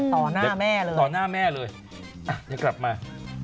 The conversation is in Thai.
ต่อหน้าแม่เลยต่อหน้าแม่เลยอ่ะเดี๋ยวกลับมา